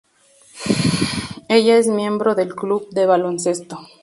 Ella es miembro del club de baloncesto.